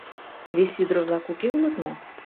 Вес ӱдыр-влак уке улыт мо?